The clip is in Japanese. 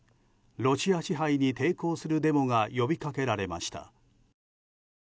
ロシア支配に抵抗するデモが呼びかけられました。